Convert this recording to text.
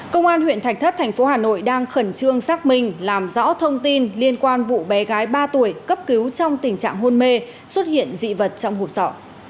công an huyện thạch thất thành phố hà nội đang khẩn trương xác minh làm rõ thông tin liên quan vụ bé gái ba tuổi cấp cứu trong tình trạng hôn mê xuất hiện dị vật trong hộp sọ